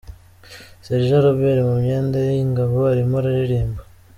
Sergent Robert mu myenda ye y'Ingabo arimo aririmba.